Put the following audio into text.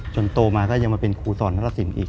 โตมาก็ยังมาเป็นครูสอนนัตรสินอีก